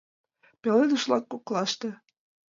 Пеледыш-влак коклаште